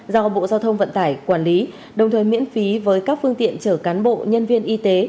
do bộ giao thông vận tải quản lý đồng thời miễn phí với các phương tiện chở cán bộ nhân viên y tế